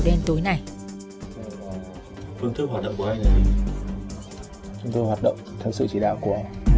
đồ đen tối này phương thức hoạt động của anh là gì chúng tôi hoạt động theo sự chỉ đạo của anh